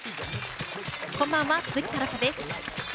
こんばんは、鈴木新彩です。